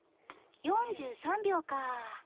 ４３秒かぁ。